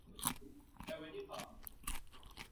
电视原声带由风潮唱片发行。